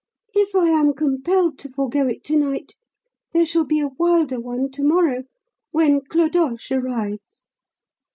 If I am compelled to forego it to night, there shall be a wilder one to morrow, when Clodoche arrives.'"